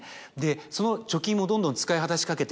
その貯金もどんどん使い果たしかけてる